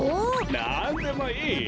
なんでもいい！